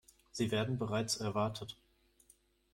Sie werden bereits erwartet.